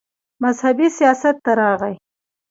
مذهبي سياست ته راغے